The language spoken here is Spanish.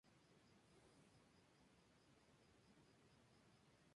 Tras ser enjuiciado y luego amnistiado, se rehabilitó peleando en la guerra del Pacífico.